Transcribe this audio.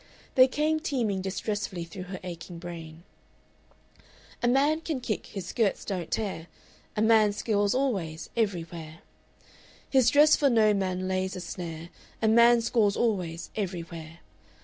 They came teeming distressfully through her aching brain: "A man can kick, his skirts don't tear; A man scores always, everywhere. "His dress for no man lays a snare; A man scores always, everywhere.